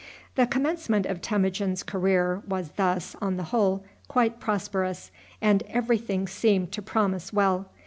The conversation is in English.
The commencement of Temujin's career was thus, on the whole, quite prosperous, and every thing seemed to promise well.